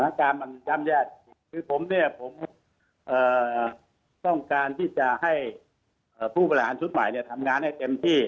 สถานการณ์มันย่ำแยกคือผมต้องการที่จะให้ผู้บริหารชุดใหม่ทำงานให้เต็มที่